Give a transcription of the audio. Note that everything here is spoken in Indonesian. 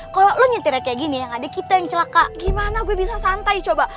kalo lu nyitirnya kayak gini yang ada kita yang celaka gimana gua bisa santai coba